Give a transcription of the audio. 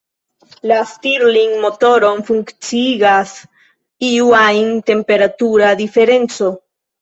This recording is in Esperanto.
La Stirling-motoron funkciigas iu ajn temperatura diferenco.